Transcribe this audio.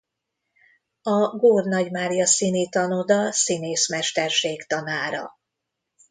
A Gór Nagy Mária Színitanoda színészmesterség-tanára.